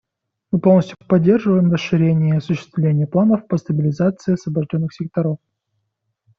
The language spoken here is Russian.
Мы полностью поддерживаем расширение и осуществление планов по стабилизации освобожденных секторов.